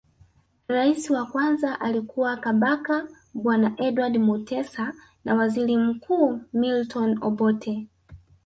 Rais wa kwanza alikuwa Kabaka bwana Edward Mutesa na waziri mkuu Milton Obote